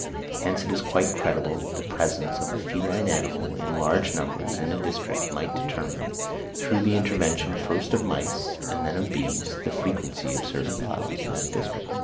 Hence it is quite credible that the presence of a feline animal in large numbers in a district might determine, through the intervention first of mice and then of bees, the frequency of certain flowers in that district!